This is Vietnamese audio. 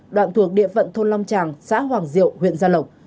đoạn thuộc địa phận thôn long tràng xã hoàng diệu huyện gia lộc